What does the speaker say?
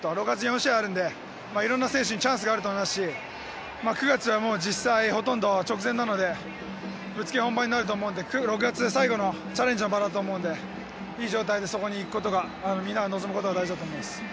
６月は４試合あるのでいろんな選手にチャンスがあると思いますし９月は実際、ほとんど直前なのでぶっつけ本番になると思うので６月が最後のチャレンジの場だと思うのでいい状態でそこに行くことがみんなが望むことが大事だと思います。